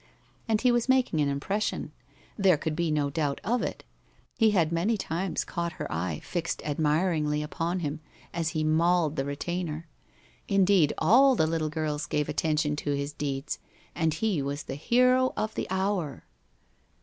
And he was making an impression. There could be no doubt of it. He had many times caught her eye fixed admiringly upon him as he mauled the retainer. Indeed, all the little girls gave attention to his deeds, and he was the hero of the hour.